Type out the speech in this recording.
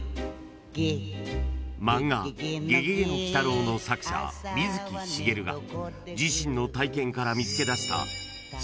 ［漫画『ゲゲゲの鬼太郎』の作者水木しげるが自身の体験から見つけ出した］